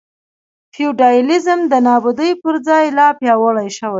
فیوډالېزم د نابودۍ پر ځای لا پیاوړی شو.